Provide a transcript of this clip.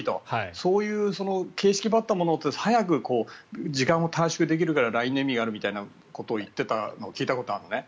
そういう形式ばったものって時間が短縮できるからＬＩＮＥの意味があるみたいなことを言ってた記憶があるんですよね。